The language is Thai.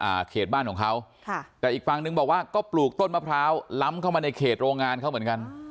เขตบ้านของเขาค่ะแต่อีกฝั่งนึงบอกว่าก็ปลูกต้นมะพร้าวล้ำเข้ามาในเขตโรงงานเขาเหมือนกัน